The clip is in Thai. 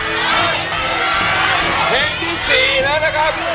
เพลงที่๔แล้วนะครับ